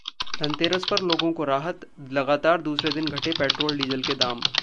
धनतेरस पर लोगों को राहत, लगातार दूसरे दिन घटे पेट्रोल-डीजल के दाम